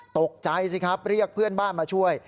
ตกใจสิครับเรียกเพื่อนบ้านมาช่วย